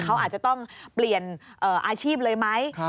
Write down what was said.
เขาอาจจะต้องเปลี่ยนอาชีพเลยไหม